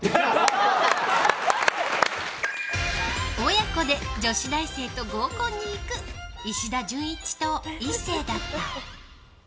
親子で女子大生と合コンに行く石田純一と壱成だった。